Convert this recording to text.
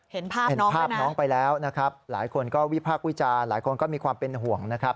เห็นภาพน้องไปแล้วนะครับหลายคนก็วิพากษ์วิจารณ์หลายคนก็มีความเป็นห่วงนะครับ